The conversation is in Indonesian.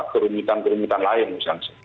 kerumitan kerumitan lain misalnya